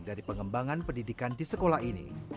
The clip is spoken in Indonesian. dari pengembangan pendidikan di sekolah ini